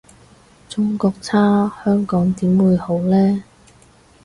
中國差香港點會好呢？